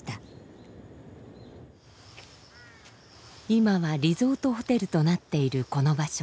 今はリゾートホテルとなっているこの場所。